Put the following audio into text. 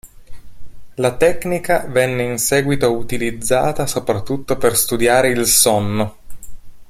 La tecnica venne in seguito utilizzata soprattutto per studiare il sonno.